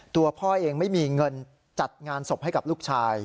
ตัวพ่อเองไม่มีเงินจัดงานศพให้กับลูกชาย